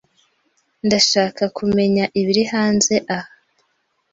Ndashaka kumenya ibiri hanze aha.